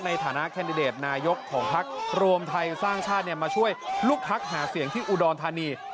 ในฐานะแคนดิเดตนายกของพักรวมไทยสร้างชาติมาช่วยลูกพักหาเสียงที่อุดรธานี